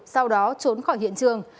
sau đó trốn khỏi hiện trường